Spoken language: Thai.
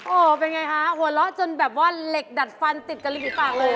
โอ้โหเป็นไงคะหัวเราะจนแบบว่าเหล็กดัดฟันติดกับริมฝีปากเลย